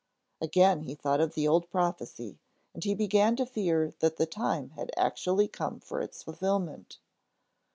Again he thought of the old prophecy, and he began to fear that the time had actually come for its fulfilment.